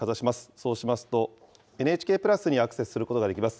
そうしますと、ＮＨＫプラスにアクセスすることができます。